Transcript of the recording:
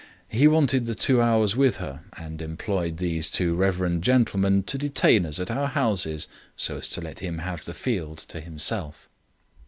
He wanted that two hours with her, and employed these two reverend gentlemen to detain us at our houses so as to let him have the field to himself."